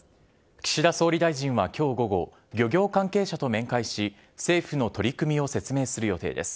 岸田総理大臣はきょう午後、漁業関係者と面会し、政府の取り組みを説明する予定です。